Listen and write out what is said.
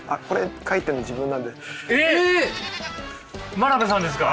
真鍋さんですか？